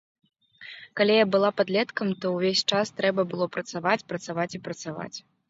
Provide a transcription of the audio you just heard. Калі я была падлеткам, то ўвесь час трэба было працаваць, працаваць і працаваць.